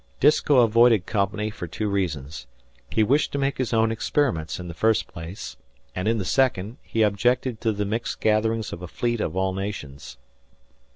Disko avoided company for two reasons. He wished to make his own experiments, in the first place; and in the second, he objected to the mixed gatherings of a fleet of all nations.